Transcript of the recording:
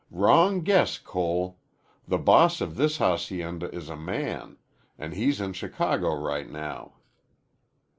"Wrong guess, Cole. The boss of this hacienda is a man, an' he's in Chicago right now."